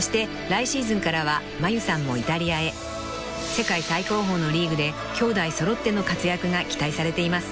［世界最高峰のリーグできょうだい揃っての活躍が期待されています］